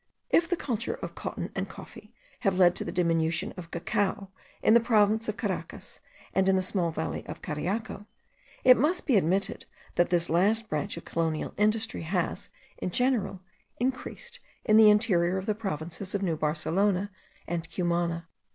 If the culture of cotton and coffee have led to the diminution of cacao in the province of Caracas and in the small valley of Cariaco, it must be admitted that this last branch of colonial industry has in general increased in the interior of the provinces of New Barcelona and Cumana.